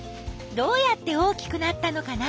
どうやって大きくなったのかな？